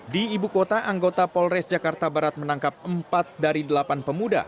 di ibu kota anggota polres jakarta barat menangkap empat dari delapan pemuda